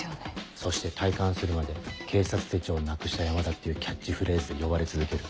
そして退官するまで「警察手帳なくした山田」っていうキャッチフレーズで呼ばれ続ける。